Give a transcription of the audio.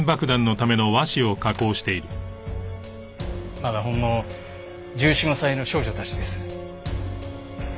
まだほんの１４１５歳の少女たちです。